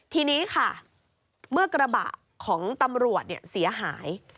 ทีนี้ค่ะเมื่อกระบะของตำรวจเสียหาย